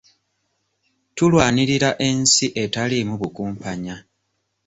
Tulwanirira ensi etalimu bukumpanya.